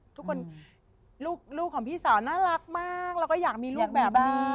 ทุกคนลูกของพี่สาวน่ารักมากแล้วก็อยากมีลูกแบบนี้